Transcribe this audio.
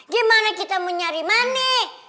gimana kita mencari money